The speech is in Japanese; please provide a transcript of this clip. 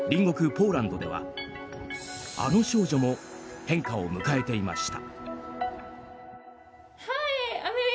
ポーランドでは、あの少女も変化を迎えていました。